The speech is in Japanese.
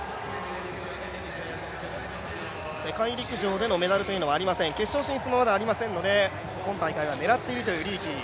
世界陸上でのメダルはありません、決勝進出もまだありませんので今大会は狙っているというリーキー。